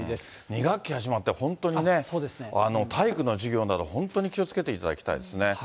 ２学期始まって本当にね、体育の授業など、本当に気をつけていただきたいですね。